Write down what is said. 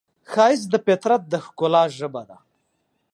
ښایست د فطرت د ښکلا ژبه ده